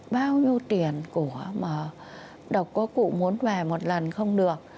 bao nhiêu tiền của mà độc có cụ muốn về một lần không được